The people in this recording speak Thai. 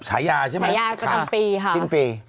ฉายาใช่มั้ยครับชิ้นปี